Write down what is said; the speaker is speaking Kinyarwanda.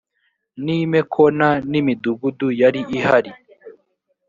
n i mekona n imidugudu yari ihari